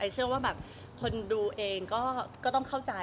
ใช่ต้องเข้าใจ